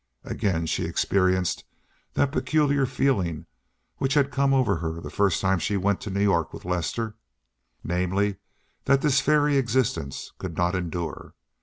Again she experienced that peculiar feeling which had come over her the first time she went to New York with Lester—namely, that this fairy existence could not endure.